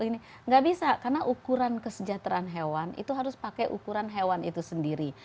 tidak bisa karena ukuran kesejahteraan hewan itu harus pakai ukuran hewan itu sendiri